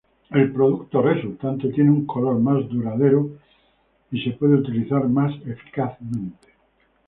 El producto resultante tiene un color más duradero, y se puede utilizar más eficazmente.